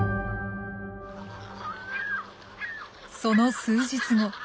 その数日後。